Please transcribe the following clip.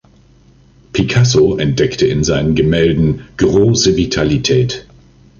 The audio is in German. Picasso entdeckte in seinen Gemälden „große Vitalität“.